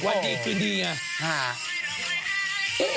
วันดีคืนดีไง